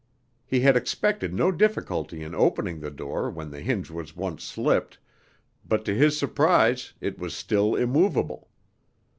He had expected no difficulty in opening the door when the hinge was once slipped, but to his surprise it was still immovable.